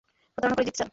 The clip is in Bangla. প্রতারণা করে জিততে চান?